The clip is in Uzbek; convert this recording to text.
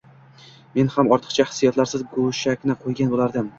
Men ham ortiqcha hissiyotlarsiz goʻshakni qoʻygan boʻlardim.